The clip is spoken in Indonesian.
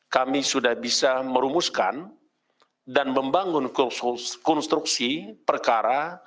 kami sudah bisa merumuskan dan membangun konstruksi perkara